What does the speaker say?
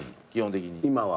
今は？